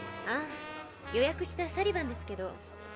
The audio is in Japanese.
ああ予約したサリバンですけど。